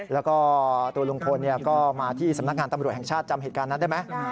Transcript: แล้วก็ตัวลุงพลก็มาที่สำนักงานตำรวจแห่งชาติจำเหตุการณ์นั้นได้ไหม